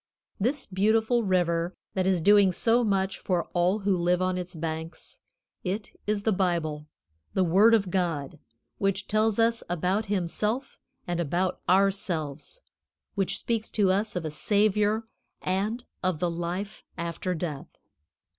This beautiful river that is doing so much for all who live on its banks, it is the Bible, the Word of God, which tells us about Himself and about ourselves, which speaks to us of a Savior and of the life after death.